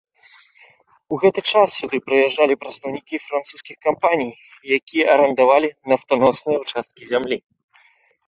У гэты час сюды прыязджалі прадстаўнікі французскіх кампаній, якія арандавалі нафтаносныя ўчасткі зямлі.